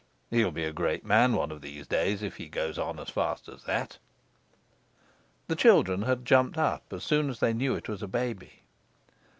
He'll be a great man one of these days if he goes on as fast as that." The children had jumped up as soon as they knew it was a baby.